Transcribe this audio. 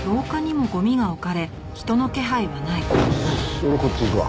俺こっち行くわ。